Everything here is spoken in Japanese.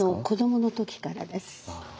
子どもの時からです。